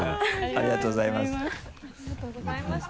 ありがとうございます。